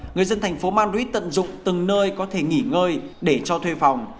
người dân thành phố madrid tận dụng từng nơi có thể nghỉ ngơi để cho thuê phòng